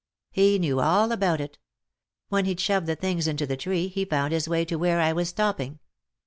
He knew all about it. When he'd shoved the things into the tree he found his way to where I was stopping.